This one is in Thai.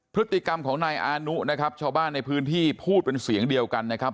พฤติกรรมของนายอานุนะครับชาวบ้านในพื้นที่พูดเป็นเสียงเดียวกันนะครับ